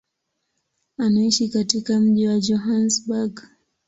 Anaishi katika mji wa Johannesburg.